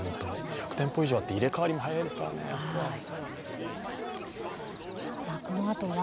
１００店舗以上もあって入れ替わりも激しいですからね、あそこは。